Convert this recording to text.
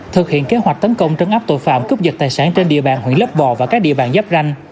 thực hiện kế hoạch tấn công trấn áp tội phạm cúp dịch tài sản trên địa bàn hủy lấp bò và các địa bàn giáp ranh